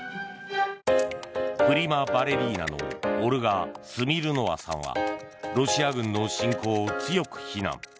プリマバレリーナのオルガ・スミルノワさんはロシア軍の侵攻を強く非難。